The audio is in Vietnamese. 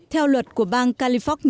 theo luật của bang california mỹ